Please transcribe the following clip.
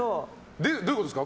どういうことですか？